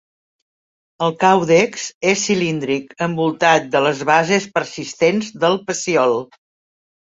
El càudex és cilíndric, envoltat de les bases persistents del pecíol.